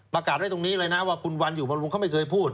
ประกาศไว้ตรงนี้เลยนะว่าคุณวันอยู่บำรุงเขาไม่เคยพูด